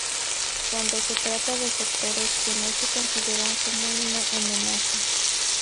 cuando se trata de sectores que no se consideran como una amenaza